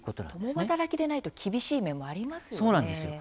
共働きでないと厳しい面もありますよね。